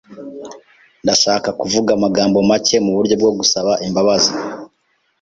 Ndashaka kuvuga amagambo make muburyo bwo gusaba imbabazi.